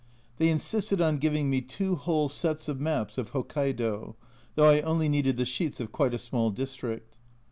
They insisted on giving me two whole sets of maps of Hokkaido, though I only needed the sheets of quite a small district.